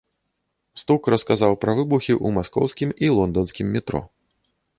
Стук расказаў пра выбухі ў маскоўскім і лонданскім метро.